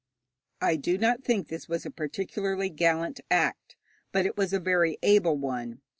I do not think this was a particularly gallant act, but it was a very able one.